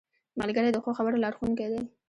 ملګری د ښو خبرو لارښوونکی دی